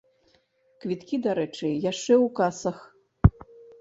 Квіткі, дарэчы, яшчэ ў касах.